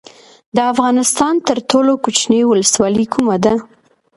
د افغانستان تر ټولو کوچنۍ ولسوالۍ کومه ده؟